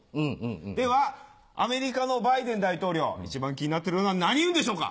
ではアメリカのバイデン大統領一番気になってる運は何運でしょうか？